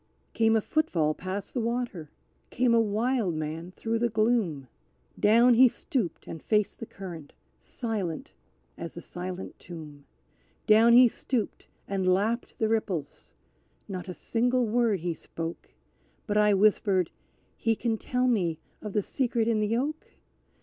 Came a footfall past the water came a wild man through the gloom, Down he stooped and faced the current, silent as the silent tomb; Down he stooped and lapped the ripples: not a single word he spoke, But I whispered, "He can tell me of the Secret in the Oak?